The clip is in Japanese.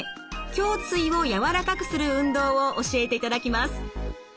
胸椎を柔らかくする運動を教えていただきます。